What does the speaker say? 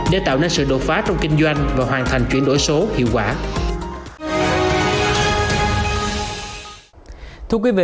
để tạo nên sự đột phá trong kinh doanh và hoàn thành chuyển đổi số hiệu quả